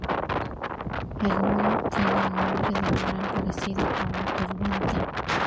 El nudo tiene el nombre de un gran parecido a un turbante.